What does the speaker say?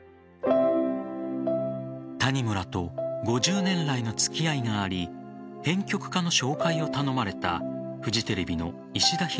谷村と５０年来の付き合いがあり編曲家の紹介を頼まれたフジテレビの石田弘